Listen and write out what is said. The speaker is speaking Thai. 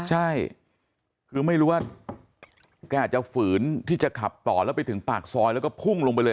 ใช่คือไม่รู้ว่าแกอาจจะฝืนที่จะขับต่อแล้วไปถึงปากซอยแล้วก็พุ่งลงไปเลย